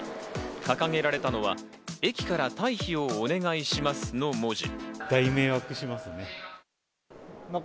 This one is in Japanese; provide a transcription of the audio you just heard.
掲げられたのは駅から退避をお願いしますの文字。